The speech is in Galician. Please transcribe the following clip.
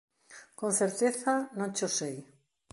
Con certeza non cho sei